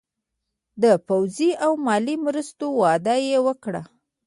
د پوځي او مالي مرستو وعده یې ورکړه.